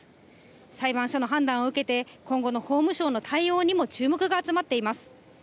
裁判所の判断を受けて、今後の法務省の対応にも注目が集まっています。